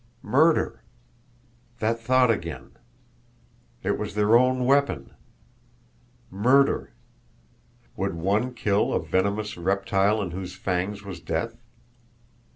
Murder! That thought again! It was their own weapon! Murder! Would one kill a venomous reptile in whose fangs was death?